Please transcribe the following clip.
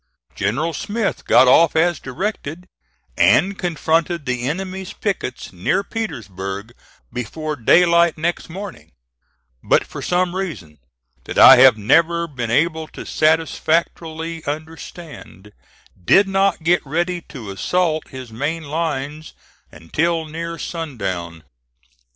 General Smith got off as directed, and confronted the enemy's pickets near Petersburg before daylight next morning, but for some reason that I have never been able to satisfactorily understand, did not get ready to assault his main lines until near sundown.